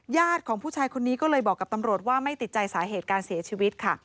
ญาติของผู้ชายคนนี้ก็เลยบอกกับตำรวจว่าไม่ติดใจสาเหตุการเสียชีวิตค่ะ